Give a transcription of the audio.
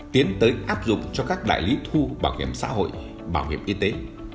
tiến tới áp dụng cho các đại lý thu bảo hiểm xã hội bảo hiểm y tế